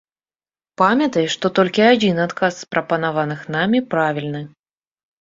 Памятай, што толькі адзін адказ з прапанаваных намі правільны.